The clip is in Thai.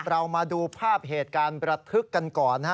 เรามาดูภาพเหตุการณ์ประทึกกันก่อน